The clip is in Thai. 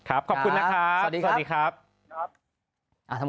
รุ้นให้ได้ไปด้วยเช่นกันครับผม